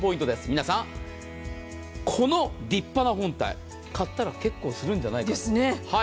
皆さん、この立派な本体買ったら結構するんじゃないですか。